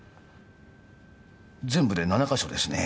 全部で７か所ですね。